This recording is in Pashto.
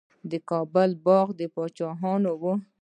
د کابل باغونه د پاچاهانو وو.